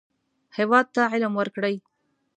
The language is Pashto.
هېواد ته علم ورکړئ